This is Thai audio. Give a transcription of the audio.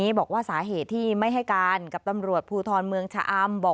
บอกว่าสาเหตุที่ไม่ให้การกับตำรวจภูทรเมืองชะอำ